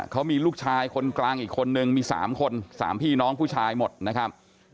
เขามีลูกชายคนกลางอีกคนนึงมี๓คน๓พี่น้องผู้ชายหมดนะครับ